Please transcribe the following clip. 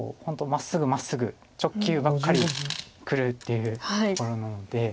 まっすぐまっすぐ直球ばっかりくるっていうところなので。